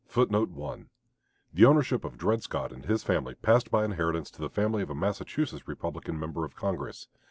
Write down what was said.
The ownership of Dred Scott and his family passed by inheritance to the family of a Massachusetts Republican member of Congress.